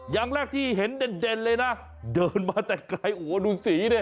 อย่างแรกที่เห็นเด่นเลยนะเดินมาแต่ไกลโอ้โหดูสีดิ